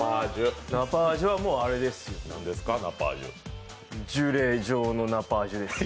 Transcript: ナパージュはもうあれですよ、ジュレ状のナパージュですよ。